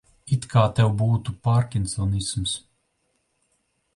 It kā tev būtu pārkinsonisms.